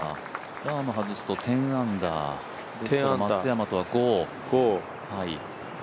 ラームが外すと１０アンダーですから松山とは５。